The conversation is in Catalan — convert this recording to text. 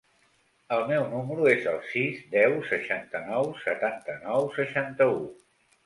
El meu número es el sis, deu, seixanta-nou, setanta-nou, seixanta-u.